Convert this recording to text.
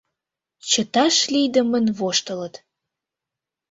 Чыташ лийдымын воштылыт.